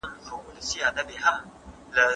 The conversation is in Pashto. زه هره ورځ د کتابتون لپاره کار کوم!؟